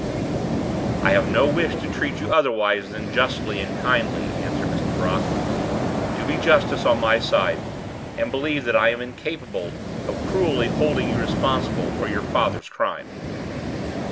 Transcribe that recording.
"I have no wish to treat you otherwise than justly and kindly," answered Mr. Brock. "Do me justice on my side, and believe that I am incapable of cruelly holding you responsible for your father's crime."